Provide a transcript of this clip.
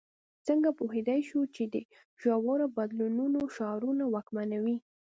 څنګه پوهېدای شو چې د ژورو بدلونونو شعارونه واکمنوي.